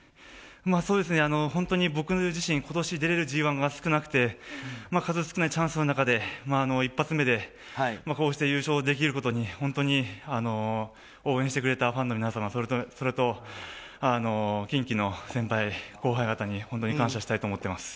そうですね、本当に僕自身、ことし出れるＧＩが少なくて、数少ないチャンスの中で、一発目でこうして優勝できることに、本当に応援してくれたファンの皆様、それと、近畿の先輩、後輩方に、本当に感謝したいと思ってます。